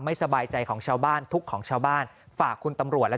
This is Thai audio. สบายใจของชาวบ้านทุกข์ของชาวบ้านฝากคุณตำรวจและ